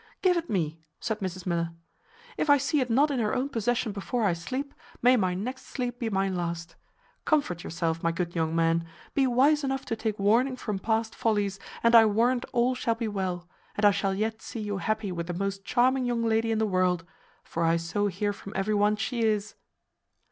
"Give it me," said Mrs Miller. "If I see it not in her own possession before I sleep, may my next sleep be my last! Comfort yourself, my good young man! be wise enough to take warning from past follies, and I warrant all shall be well, and I shall yet see you happy with the most charming young lady in the world; for I so hear from every one she is."